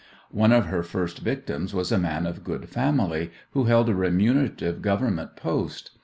One of her first victims was a man of good family, who held a remunerative Government post.